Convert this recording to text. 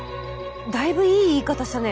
だいぶいい言い方したね。